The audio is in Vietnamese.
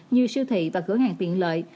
như siêu thị và cửa hàng tiện lợi